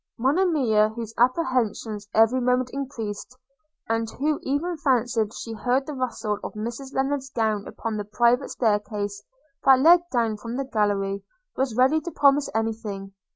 Monimia, whose apprehensions every moment increased, an d who even fancied she heard the rustle of Mrs Lennard's gown upon the private stair case that led down from the gallery, was ready to promise any thing.